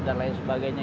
dan lain sebagainya